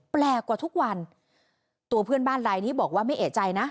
แปลกกว่าทุกวันตัวเพื่อนบ้านลายนี้บอกว่าไม่เอกใจนะ